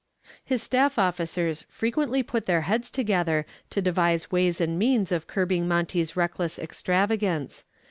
His staff officers frequently put their heads together to devise ways and means of curbing Monty's reckless extravagance.